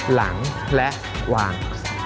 หลังและวาง